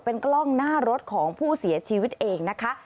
เป็นกล้องหน้ารถของผู้เสียชีวิตเองนะคะ